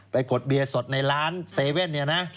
ไปกดเบียร์สดในล้านเซเว่นไม่เข้าขาย